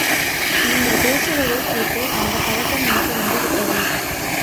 நீங்கள் பேசுவதைக் கேட்டு அந்தப் பழக்கம் எனக்கும் வந்துவிட்டது.